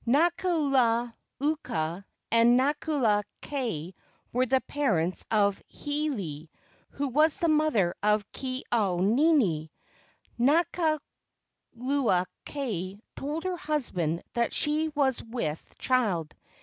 Nakula uka and Nakula kai were the parents of Hiilei, who was the mother of Ke au nini. Nakula kai told her husband that she was with child.